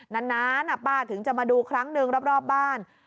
นานป้าถึงจะมาดูครั้งหนึ่งรอบบ้าน